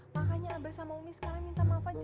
makanya abah sama umi sekarang minta maaf aja